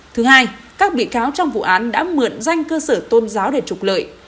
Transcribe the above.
thứ hai các bị cáo trong vụ án đã mượn danh cơ sở tôn giáo để trục lợi